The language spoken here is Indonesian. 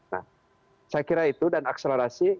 nah saya kira itu dan akselerasi